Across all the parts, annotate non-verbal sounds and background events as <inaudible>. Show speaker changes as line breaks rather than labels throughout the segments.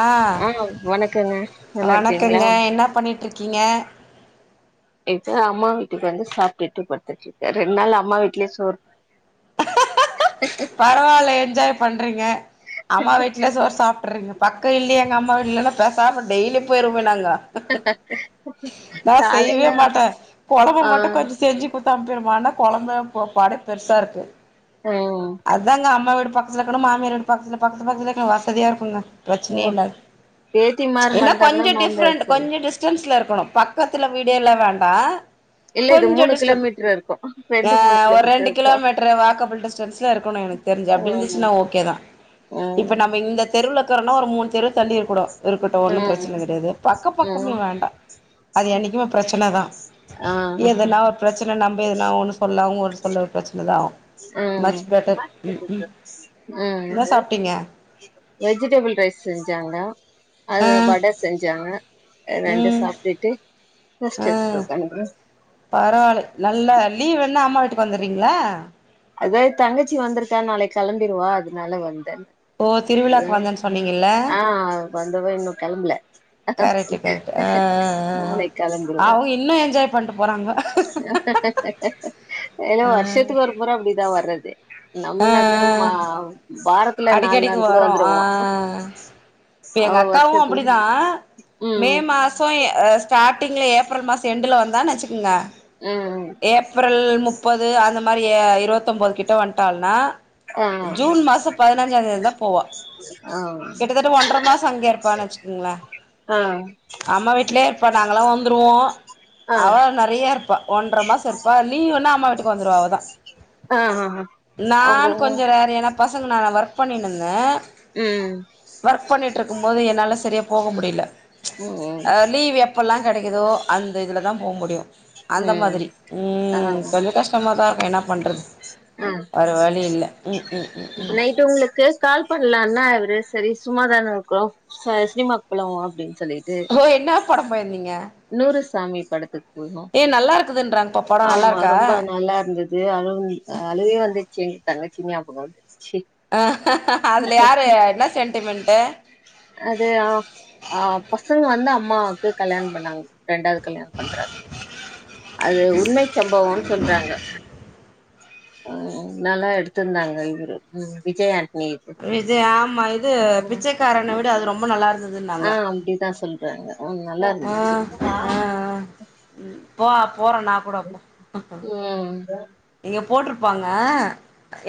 அ
ஆ வணக்கங்க நல்லா இருக்கீங்களா
வணக்கங்க என்ன பண்ணிட்டிருக்கீங்க
இப்பதா அம்மா வீட்டுக்கு வந்து சாப்ட்டுட்டு படுத்துட்ருக்கே ரெண்ட் நாள் அம்மா வீட்லே சோறு
பரவால்ல என்ஜாய் பண்றீங்க அம்மா வீட்ல சோற் சாப்ட்றீங்க பக்கோ இல்லியே எங்கம்மா வீட்லெல்லா த சாப்ட் டெய்லியு போயிருவோமே நாங்க நா
காலையில
செய்வே மாட்டே கொழம்ப
ஆ
மட்டு கொஞ்ச செஞ்சுட் குட்த்து அனுப்பிருமான்ன கொழந்த ப பாடே பெருசாருக்கு
எம்
அதாங்க அம்மா வீடு பக்கத்துலருக்கனு மாமியார் வீடு பக்கத்துல பக்கத்துல இருக்குறது வசதியா இருக்குங்க ப்ரச்னையேல்ல அது
பேத்திமார்
என்ன
வந்தாங்கன்னா
கொஞ்சோ
மாமியார்
டிஃப்ரெண்ட்
சொல்லு
கொஞ்ச டிஸ் டிஸ்டென்ஸ்ல இருக்கணு பக்கத்துல வீடேயெல்லா வேண்டா
இல்ல இது
கொஞ்சோ
மூணு
டிஸ்டன்ஸ்
கிலோமீட்டர் இருக்கு
அ
ரெண்டு மூணு
ஒரு
கிலோமீட்டர்
ரெண்டு
இருக்கு
கிலோமீட்டரு வாக்கப்புல் டிஸ்டென்ட்ஸ் ல்ல இருக்கணு எனக்கு தெரிஞ்சு அப்டி
ம்
இருந்துச்சுனா ஓகேதா இப்ப
ம்
நம்ம இந்தத் தெருவுல இருக்குறனா ஒரு மூணு தெரு தள்ளி இருக்குணு இருக்கட்டு ஒன்னு
ம்
ப்ரச்சன கெடையாது பக்கம் பக்கமே
ம்
வேண்டா
<unintelligible>
ப்ரச்சுன தா
ஆ
எதுனா ஒரு ப்ரச்சன நம்ப எதுனா ஒன்னு சொல்ல அவுங்க ஒன்னு சொல்ல ஒரு ப்ரச்சனதா ஆவு
அ அ அ அ
என்ன சாப்ட்டீங்க
வெஜிடெபிள் ரைஸ் செஞ்சாங்னா அது
ஆ
வட செஞ்சாங்க ரெண்டு
ம்
சாப்ட்டுட்டு ரெஸ்ட் எடுத்துட்டு உக்கார்ந்திருக்கணு
பரவாலே நல்லா லீவுன்னா அம்மா வீட்டுக்கு வந்தர்றீங்களா
அதா எந்தங்கச்சி வந்துருக்கா நாளைக் கெளம்பிருவா அதுனால வந்தே
ஓ திருவிழாக் வந்தன் சொன்னீங்கல்ல
ஆ வந்தவ இன்னு கெளம்புல
கரெக்ட்டு கரெக்ட்டு ஆ
நாளைக்
ஆ
கெளம்பிருவா
அவங்க இன்னு என்ஜாய் பண்ட்டு போறாங்க
ஏனோ வர்ஷத்துக்கு ஒருமுற அப்டிதா வர்றது
ஆ
நம்மன்னாகூட
ஆ
மா வாரத்
அடிக்கடிக்கு வரோ ஆ இப்ப
அவ
எங்கக்காவு அப்பிடிதா
வருஷத்துக்கு
மே
ம்
மா சோ எ அ ஸ்டாட்டிங்ல ஏப்ரல் மாசோ என்டுல வந்தான் வெச்சுக்குங்க
ம் ம்
ஏப்ரல் முப்பது அந்த மாரி எ இருவத்தொம்போது கிட்ட வந்ட்டாள்னா
ஆ
ஜூன் மாசோ பதினஞ்சாந்தேதிதா போவா
ஆ
கிட்டதட்ட ஒன்ற மாசோ அங்க இருப்பான் வெச்சுக்கங்ளே
ஆ
அம்மா வீட்லே இர்ப்பா நாங்கல்லா வந்துருவோ
ஆ
அவ நெறைய இருப் ஒன்ற மாசோ இருப்பா லீவுனா அம்மா வீட்டுக்கு வந்துருவா அவதா
ஆ அவங்க
நானு கொஞ்ச ரேரு ஏனா பசங்க நானா ஒர்க் பண்ணீனுந்தே
ம்
ஒர்க் பண்ணிட்ருக்கும் போது என்னால செரியா போக முடியில
ம்
அ லீவ் எப் பல்லா கெடைக்கிதோ அந்த இதுலதா போ முடியு அந்த
ம்
மாதிரி
ஆ
ம் கொஞ்ச கஷ் டமாதாருக்கு என்னா பண்றது
ம்
வேற வழி இல்ல ம் ம் ம்
இப்ப நைட்டு் உங்ளுக்கு கால் பண்லான்னா இவுரு செரி சும்மாதான இருக்கோ ச சினிமாக் போலா வா அப்டின் சொல்லீட்டு
ஏ என்னா படம் போய்ர்ந்தீங்க
நூறு சாமி படத்துக் போனோ
நல்லா இருக்குதுன்றாங்கப்பா படம் நல்லா
ஆமா
இருக்கா
ரொம்ப நல்லார்ந்து து அழுவுனி அ அழுகயே வந்துர்ச்சி எ தங்கச்சி ஞாபகம் வந்துர்ச்சி
அ அதுல யாரு என்னா சென்ட்டிமென்ட்டு
அது ஆ ஆ பசங்க வந்து அம்மாவுக்கு கல்யாண்ம் பண்ணாங்க ரெண்டாவ்து கல்யாணம் பண்றாங் அது உண்மை சம்பவோன் சொல்றாங்க ம் நல்லா எடுத்திர்ந்தாங்க இவுரு ம் விஜய் ஆண்
இது ஆமா இது பிச்சைக்காரன விட அது ரொம்ப நல்லார்ந்
ஆ அப்டித்தா சொல்றாங்க ம்
ஆ
நல்லார்ந்துச்சி
ஆ ஆ ம் போ போற நா கூட இப்போ ம் ம்
ம்
இங்க போட்ருப்பாங்க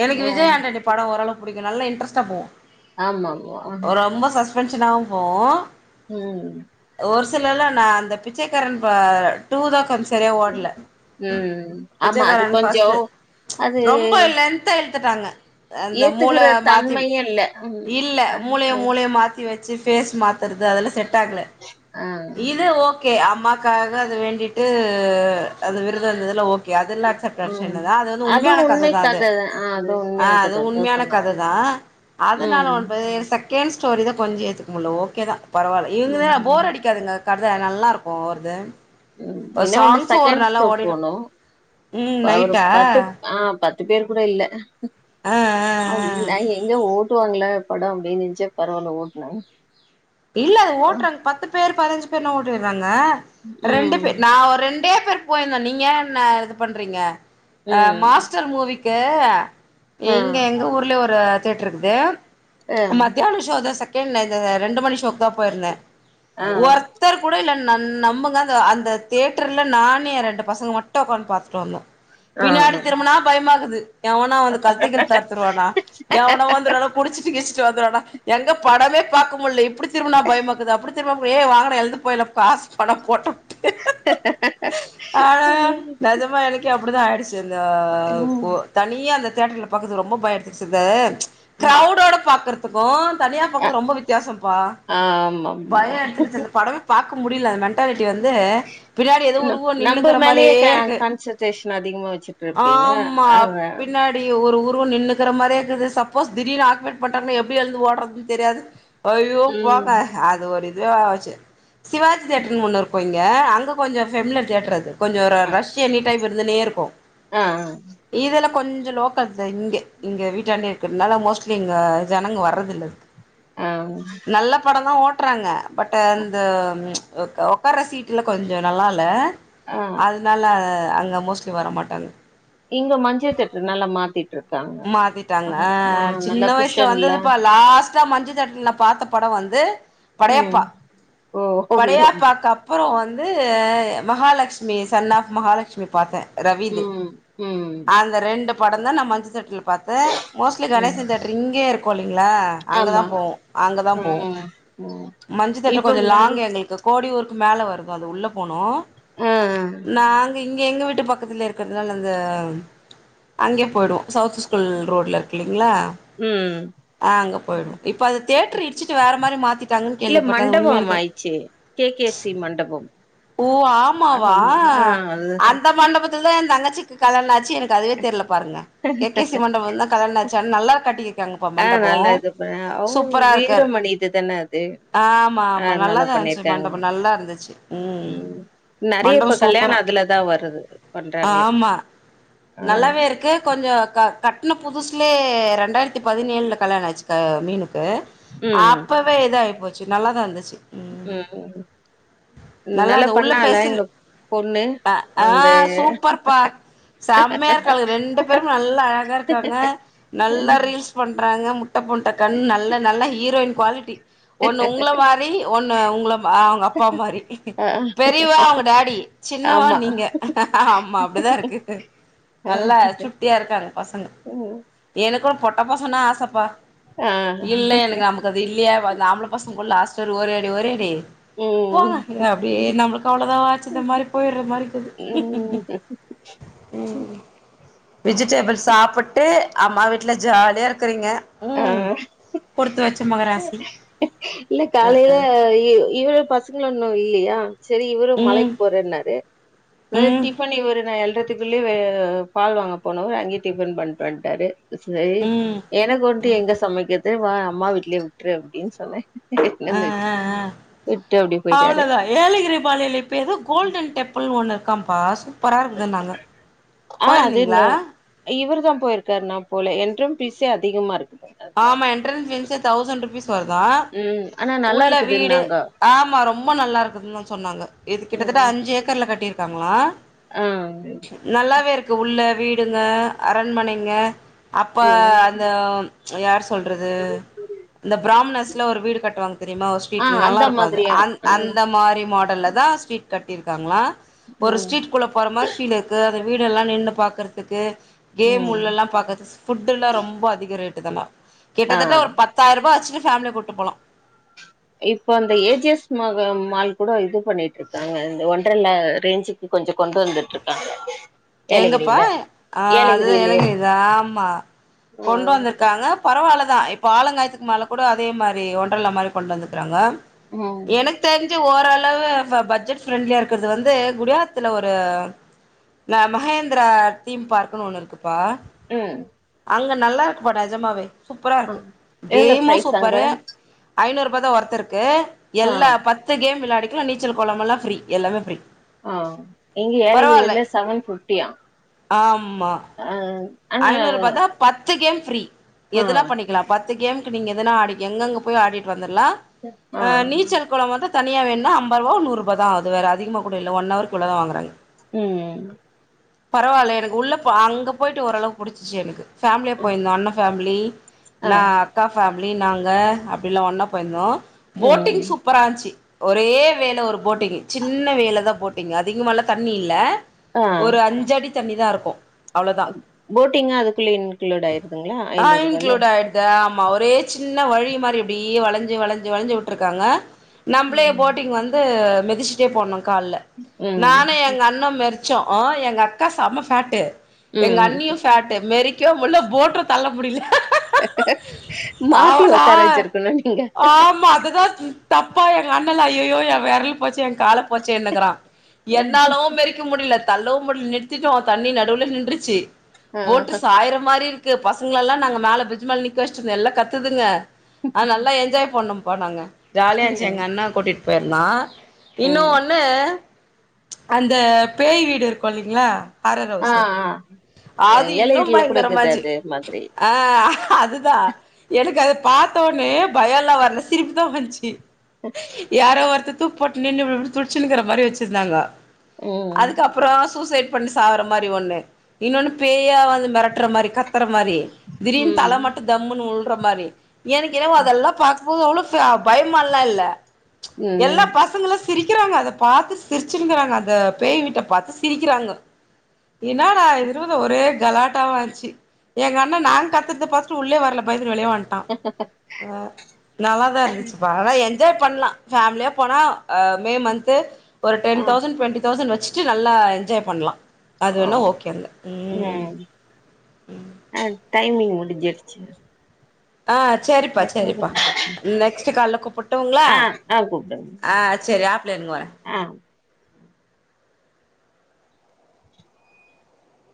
எனக்கு
ஆ
விஜய் ஆண்டனி படோ ஓரளவுக் புடிக்கு நல்ல இன்ட்ரெஸ்ட்டா
ஆமா ஆமா
போவு ரொம்ப சஸ்பென்ஷனாவு போவு
ம்
ஒரு சிலர்லா நா அந்த பிச்சைக்காரன் பா டூ தா கொஞ் செரியா ஓட்ல
ம் ஆமா அது
பிச்சைக்காரன்
கொஞ்சோ
ஃபஸ்ட்டு
அது
ரொம்போ இல்ல லென்த்தா எட்த்துட்டாங்க அந்த மூள
ஏத்துக்கிற
மாத்தி
தன்மையே இல்ல ம்
இல்ல
அ
மூளைய
அ
மூளைய மாத் தி வெச்சு ஃபேஸ் மாத்தறது அதெல்லா செட்டாக்ல
ஆ
இது ஓ கே அம்மாக்காக அது வேண்டிட்டு அது விரதோ இருந்ததுல்லா ஓகே அதுல்லா அக்சப்ட்
ம்
வெர்சனுதா அது வந்து உண்மையான கத
உண்மை
தா அது
ஆ அது
ஆ
உண்மையான
அது
கத தா
உண்மையான
சொன்னாங்க
கத தா அதுனால
ம்
ஒன் பெரி சக் கேன் ஸ்டோரி தா கொஞ்சோ ஏத்துக்க முட்ல ஓகே தா பரவால்ல இல்ல
ம்
போர் அடிக்காதுங்க கத நல்லாருக்கோ அவருது
ம்
ஒரு
இன்னா ஒன்னு
சாங்ஸு ஒரு
செகண்ட்
நல்லா
ஸோக்கு
ஓடிடு
போனோ
ம்
பதனொன் ஒரு
நைட்டா
பத்து ஆ பத்து பேர் கூட இல்ல ஆ நா எங்க ஓட்டுவாங்கள படோ அப்டீன்னு இர்ந்துச்சு பரவால்ல ஓட்னாங்
இல்ல அது ஓட்றாங்க பத்து பேர் பதினஞ்சு பேர்னா ஓட்டிறாங்க ரெண்டு
ம்
பேர் நா ஒரு ரெண்டே பேர் போயிருந்தோ நீங்க என்ன இது பண்றீங்க அ
ம்
மாஸ்டர் மூவிக்கு
ஆ
இங்க எங்க ஊர்லயோ ஒரு தியேட்ரு இருக்குது
ஆ
மத்தியானோ ஸோதா சக் கென் இது ரெண்டு மணி ஷோக்கு தா போயிருந்தே
ஆ
ஒர்த் தர் கூட இல்ல நம் நம்புங்க அந்த அந்த தேட்டர்ல நானு எ ரெண்டு பசங்க மட்டு ஒக்காந்து பாத்துட்டு வந்தோ
ஆ
பின்னாடி திரும்புனா பயமாக்குது எவனா வந்த கழுத்த கிழுத்த அருத்துருவானா எவனோ வந்துரானா குடிச்சிட்டு கிடிச்சிட்டு வந்துருவானா எங்க படமே பாக்க முட்ல இப்புடி திரும்புனா பயமாக்குது அப்புடி திரும்புபோ ஏ வாங்கடா எழுந்து போய்லா காசு போனா போட்டோ ஆனா நெஜமா எனக்கே அப்புடிதா ஆயிடுச்சு இந்த அ
ம்
ஓ தனியா அந்த தேட்டர் பாக்கறதுக்கு ரொம்ப பயோ எடுத்துச்சு இந்த
ம்
க்ரௌடோட பாக் ததுக்கு தனியா பாக்குறது ரொம்போ வித்தியாசம்ப்பா
ஆ ஆமா
பயோ எடுத்துக்குச்சு அந்த படமே பாக்க முடியுல அ அத்தாரட்டி வந்து பின்னாடி எதோ
ந
உருவம்
நம்ம
நின்னுக்குற
மேலயே
மாரியே
க
இருக்கு
கான்சன்ட்ரேஷன் அதிகமா வச்சுட்டு இருப்பீங்க
ஆமா
அத
பின்னா டி ஒரு உருவோ நின்னுக்குற மாரியேக்குது சப்போஸ் திடீர்னு ஆப்ரேட் பண்ட்டாங்கன்னா எப்டி எழுந்து ஓடுறதுன்னே தெரியாது அய்யோ
ம்
போங்க அது ஒரு இதுவே ஆச்சு சிவாஜி தேயேட்டருன்ன ஒன்னு இருக்கோ இங்க அங்கே கொஞ்சோ ஃபெமிலர் தேட்டர் அது கொஞ்சோ ஒரு
அ
ரஷ் எனினி டைம் இருந்துனே இருக்கோ
ஆ ஆ
இதெல்லா கொஞ்சோ லோக்கல் இங்க இங்க வீட்டாண்டி இருக்கிறதுனால மோஸ்ட்லி இங்க ஜனங்க வர்றதுல்ல அதுக்
ஆ
நல்ல படோந்தா ஓட்றாங்க பட் அந்த ஒக் ஒக்கார்ற சீட்லா கொஞ்சோ நல்லா இல்ல அது
ஆ
அதனால அங்கே மோஸ்ட்லி வர மாட்டாங்க
இங்க மஞ்சள் தேட்ரு நல்லா மாத்திட்
மாத்திட்டாங்க அ
நல்லா
சின்ன வயசுல
குஷன்ல
வந்ததுப்பா லாஸ் தா மஞ்சுதேட்ருல பாத்த படம் வந்து
ம்
படையப்பா
ஓ ஹீரோ
படையாப்பா கப் அப்புறோ வந்து மகாலக்ஸ்மி சன் ஆஃப் மகாலக்ஸ்மி பாத்தே
ம் ம்
அந்த ரெண்டு படோ தா நா மஞ்ச தேட்ர்ல பாத்த மோஸ்லி
ம்
கணேச தேட்ரு இங்கே இருக்கோ இல்லீங்களா அங்க தா
ஆமா
போவோ அங்க தா போவோ
ம் ம்
மஞ்சு தேட்ரு
இப்ப
கொஞ்சோ
நாள்
லாங் எங்குளுக்கு கோடி ஊருக்கு மேல வருது அத உள்ள போணோ
ம் ம்
நாங்க இங்க எங்க வீட்டு பக்கத்துல இருக்குறதுனால அந்த அங்கே போய்டுவோ சவுத் ஸ்கூல் ரோட்ல ருக்கு இல்லீங்களா
ம்
ஆ அங்க போய்டுவோ இப்ப அது தேட்ரு இடிச்சுட்டு வேற மாரி மாத்திட்
இல மண்டபோமா ஆய்ச்சு கே கே சி மண்டபம்
ஓ
ஆமா
ஆமாவா
ஆ அது
அந்த மண்டபத்துல எ தங்கச்சிக் கல்யாணாச்சி எனக்கு அதுவே தெர்ல பாருங்க கே கே சி மண்டபோ தா கல்யாணச்சு ஆன நல்லா கட்டி
அ நல்லா இது பன் அவ் வீரமணிதுதான அது
ஆம்மா
ஆ
ஆமா
நல்லா
நல்லாதா ன்ச்சு
பண்ணிருக்காங்க
மண்டபோ நல்லா இருந்துச்சு
ம் நறைய
மண்டபோ
இப்போ கல்யாணோ
சூப்பரா
அதுல தா வருது பண்றாங்ளே
ஆமா நல்லாவே இருக்கு கொஞ்சோ க கட்ன புதுசுலே ரெண்டாயிரத்தி பதினேழுல கல்யாணோ ஆச்சு க மீனுக்கு
ம்
அப்ப பே இதாய் போச்சு நல்லா தா இருந்துச்சு
ம் நல்லா
இருந்த உள்ள
பண்ணால
ஃபெசில்
இந்த பொண்ணு
அ ஆ
அந்த
சூப்பர்ப்பா செம்மையா இருக்காளுங்க ரெண்டு பேருமே நல்ல அழகா இருக்காங்க நல்ல ரீல்ஸ் பண்றாங்க முட்ட போண்ட கண் நல்ல நல்ல ஹீரோயின் குவாலிட்டி ஒண்ணு உங்கள மாரி ஒண்ணு உங்கள அ அவங் அப் ப்பா மாரி
ஆ
பெரியவா அவங்க டாடி சின்னவா
ஆமா
நீங்க ஆமா அப்டிதா இருக்கு
ஆ
நல்லா சுட்டியா இருக்காங்க பசங்க
ம்
எனக்கு பொட்ட பசனா ஆசைப்பா
ஆ
இல்ல எனக் அம்க் கது இல்லயா ஆம்பள பசங்க கூட லாஸ்ட்வர ஓரியாடி ஓரியாடி போங்க
ம்
நீங்க அப்டியே நம்மளுக்கு அவ்ளோதா வாச்சிது மாரி போய்ற மாரிக்குது
ம்
விஜிடேபள் சாப்புட்டு அம்மா வீட்ல ஜாலியா இருக்குறீங்க
ஆ
ம் குடுத்து வச்ச மகராசி
இல்ல
அ
காலைல
அ
இ இவள பஸ் ட்ல ஒன்னு இல்லையா சேரி இவரு
ம்
மலைக்கு போறன்னாரு
ம்
டிஃபன் இவரு நா எள்ற குள்ளே வே பால் வாங்க போனவர் அங்கே டிஃபன் பண்டு வன்டாரு சரி
ம்
எனக் ஒன் டு எங்க சமைக்கிறது வா அம்மா வீட்லே விட்ரு அப்டின்னு சொன்ன
ஆ
இட்னந்து விட்டு விட்டு அப்டே போய்ட்டாரு
ஏலகிரிபாளையில இப்ப எதோ கோல்டன் டெம்பிள்னு ஒன்று இருக்கா ப்பா சுப் பரா இருக்குதுனாங்க
ஆ அது என்ன
போயிருந்தீங்களா
இவரு தா போய்ருக்காரு நா போல என்ரும் ஃபிஸே அதிகமா இருக்கு
ஆமா எண்ட்ரன்ஸ் ஃபீஸே தௌசண்ட் ருபீஸ் வருதா
ம் அனா
உள்ள வீடு ஆமா ரொம்ப நல்லா இருக்குதுன்னு சொன்னாங்க இது கிட்டத்தட்ட அஞ்சு ஏக்கர்ல கட்டியிருக் காங்களா
அ
நல்லாவே இருக்கு உள்ள வீடுங்க அரண்மனைங்க அப்ப
ம்
அந்த யார் சொல்றது இந்த ப்ராம்ணஸ்ல ஒரு வீடு கட் தெரியும்மா ஒரு
ஆ
ஸ்வீட்
அந்த
நல்லாருக்கோ அது
மாதிரியா
அந்
ம்
அந்த மாரி மாடல்ல தா ஸ்ட்ரீட் கட்டிருக்காங்களா ஒரு
ம்
ஸ்ட்ரீட்க்குள்ள போற மாரி டிலுக்கு அந்த வீடெல்லா நின்னு பாக்கறதுக்கு கேம்
ம்
உள்ளெல்லா பாக்கற்து ஃபுட்டுல்லா ரொம்ப அதிக ரேட்டு தானா கிட்டதட்ட
ஆ
ஒரு பத்தாய்ர ருபாவச்சு ஃபேமிலி கூட்டு போலோ
இப்போ அந்த A G S Maha mall கூட இது பண்ணிட்டு இருக்காங்க இந்த ஒன்றர்லா ரேஞ்சுக் கொஞ்ச கொண்டு வந்துட்டு இருக்காங்க
எங்கப்பா
ஏலகிரில
ஆ அதுதா
ஏலகிரிலயே
இளைஞ தா ஆமா கொண்டு
ம்
வந்து காங்க பரவால்லதா இப்ப ஆளுங்காயத்துக்கு மேல கூட அதே மாரி ஒன்றல்லா மாரி கொண்டு வந்துருக்கறாங்க
ம்
எனக் கு தெரிஞ்சு ஓரளவு பட்ஜெட் ஃப்ரெண்ட்லியா இருக்கிறது வந்து குடியாத்துல ஒரு ந மகேந்திரா தீம் பார்க்குனு ஒன்னு இருக்குப்பா
ம்
அங்க நல்லா இருக்கு பா நெஜமாவே சூப்பரா
ஆ
இருக்கு
எவ்ளோ
கேமு
பிரைஸ் அங்க
சூப்பரு ஐந்நூறு ருபாதா ஒருத்தருக்கு
ஆ
எல்லா பத் து கேம் விளாடிக்ல நீச்சல் கொளம்மெல்லா ஃப்ரீ எல்லாமே ஃப்ரீ
ஆ இங்க
பரவால்ல
ஏலகிரியில செவன் ஃபிப்ட்டியா
ஆமா
ஆ ஆனா
ஐந்நூறு ரூபா தா பத்து கேம் ஃப்ரீ
ஆ
எதுனா பண்ணிக்லா பத்து கேமுக்கு நீங்க எதுனா ஆடி எங்கங்க போய் ஆடிட்டு வந்துலார்
ஆ
அ நீச்சல் குளம் வந்து தனியா வேண்ணா ஐம்பது ரூபா நூறு ருபா தா ஆது வேற அதிகமா கூட இல்ல ஒன் அவர்குள்ள தா வாங்குறாங்
ம்
பரவாயில்ல எனக்கு உள்ள அங்க போயிட்டு ஓரளவு புடிச்சிச்சி எனக்கு ஃபேமிலியா போயிருந்தோ அண்ண ஃபேமிலி
ஆ
நா அக்கா ஃபேமிலி நாங்க அப்டில்லா ஒன்னா போயிருந்தோ
ம்
போட்டிங் சூப் பரான்சி ஒரே வேல ஒரு போட்டிங்கு சின்ன வேல தா போட்டிங்கு அதிகமால்ல தண்ணி இல்ல
ஆ
ஒரு அஞ்ச அடி தண்ணி தா இருக்கு அவ்ளோதா
போட்டிங்கு அதுக்குள்ளே இன்க்ளூட் ஆயிருதுங்ளா
ஆ இன்க்ளூட் ஆயி டுது ஆமா ஒரே சின்ன வழி மாரி இப்டி வளஞ்சு வளஞ்சு வளஞ்சு உட்ருக்காங்க நம்மளே
ம்
போட்டிங் வந்து மெதிச்சுட்டே போணு கால்ல
ம்
நானு எங்க அண்ண மெரி ச்சோ எங்க அக்கா செம்ம ஃபேட்டு எங்க
ம்
அண்ணியு ஃபேட்டு மெரிக்க முல்ற போட்டு தள்ள முடில
மாத்தி
அவள
உக்கார வச்சிருக்கணு நீங்க
ஆமா அதுதா தப்பா எங்க அண்ணல அய்யய்யோ என் விரல் போச்சே என் கால போச்சேனுக்குறா என்னாலு மெரிக் க முடில தள்ளவு முடில நிறுத்தட்டோ தண்ணி நடுவுல்ல நின்றுச்சு
ஆ
போட்டு சாய்ர மாரி இருக்கு பசங்கள எல்லா நாங்க மேல ப்ரிஜ் மேல நிக்க வச்சுட்டுந்த எல்லா கத்துதுங்க ஆ நல்லா என்ஜாய் பண்ணோம்ப்பா நாங்க ஜாலியா இருந்துச்ச
ம்
எங்க அண்ணா கூட்டிட் போயிருந்தா இன்னு
ம்
ஒண்ணு அந்த பேய் வீடு இருக்கு இல்லைங்ளா ஹாரர்
ஆ
ஹவுஸ்சு
ஆ
அது இன்னு
ஏலகிரில கூட இருக்குது
பயங்கரமாஜு
அது மாதிரி
ஆ அதுதா எனக்கு அத பார்த்தோனே பயல்லா வர்ல சிரிப்பு தா வந்ச்சி யாரோ ஒருத்தர் தூக் போட்டு நின்னு இப்டி இப்டு துடிச்சுன்னுக்கிற மாரி வச்சிருந்தாங்க
ம்
அதுக்கப்புறோ சூசைட் பண்ணி சாவுற மாரி ஒண்ணு இன்னொன்னு பேயா வந்து மிரட்டுற மாரி கத்துற மாரி திடீன் தல
ம்
மட்டு தம்னு உழ்ற மாரி எனக்கு என்னவோ அதெல்லா பார்க்கு போது அவ்ளோ பயமால்ல இல்ல எல்லா
ம்
பசங்குளு சிரிக்கிறாங்க அத பார்த்து சிரிச்சுருங்கிறாங்க அந்த பேய் வீட்ட பார்த்து சிரிக்கிறாங்க என்னாடா இது ஒரே கலாட்டா வாச்சு எங்க அண்ணா நாங்க கத்றத பாத்துட் உள்ளே வர்ல பய்ந்துட் வெளிய வன் டா ஆ நல்லாதா இருந்துச்சு பா நல்ல என்ஜாய் பண்லா ஃபேமிலியா போனா அ மே மன்த்து ஒரு
ஆ
டென் தௌசண்ட் டு்வெண்ட்டி தௌசண்ட் வச்சுட்டு நல்லா என்ஜாய் பண்லா அது வேணா ஓகே அங்க ம்
ம்ஹ் ஆ டைமிங் முடிஞ்சுருச்சு
ஆ சேரிப்பா சேரிப்பா நெக்ஸ்ட்டு கால்ல கூப்ட்டுங்ளா
ஆ ஆ கூப்டுங்க
ஆ சேரி ஆஃப்லே இருங்க வர
ஆ